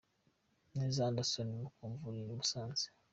Neza Anderson mu mvura y'i Musanze.